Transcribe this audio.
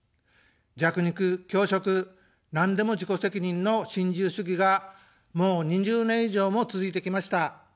弱肉強食、なんでも自己責任の新自由主義がもう２０年以上も続いてきました。